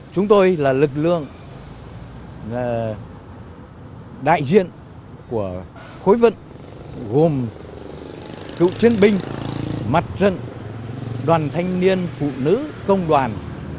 chúng tôi là lực lượng đại diện của khối vận gồm cựu chiến binh mặt trận đoàn thanh niên phụ nữ công đoàn